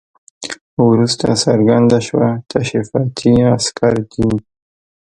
وروسته څرګنده شوه تشریفاتي عسکر دي.